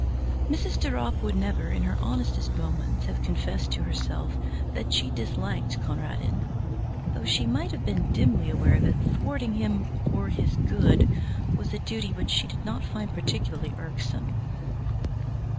Mrs. de Ropp would never, in her honestest moments, have confessed to herself that she disliked Conradin, though she might have been dimly aware that thwarting him "for his good" was a duty which she did not find particularly irksome.